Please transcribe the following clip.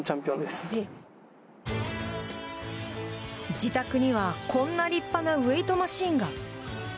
自宅には、こんな立派なウェートマシンが。